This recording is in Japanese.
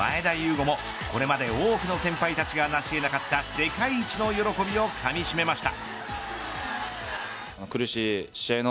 伍もこれまで多くの先輩たちがなし得なかった世界一の喜びをかみしめました。